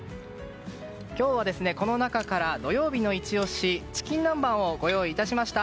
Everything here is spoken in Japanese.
今日はこの中から土曜日のイチ押し、チキン南蛮をご用意いたしました。